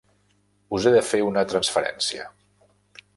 Us he de fer una transferència.